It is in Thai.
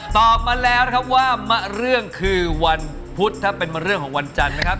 ตอบมาแล้วนะครับว่ามะเรื่องคือวันพุธถ้าเป็นเรื่องของวันจันทร์นะครับ